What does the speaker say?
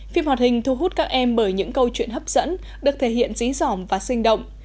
phim hoạt hình thu hút các em bởi những câu chuyện hấp dẫn được thể hiện dí dỏm và sinh động